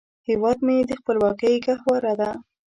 هیواد مې د خپلواکۍ ګهواره ده